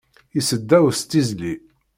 Iseddaw s tizli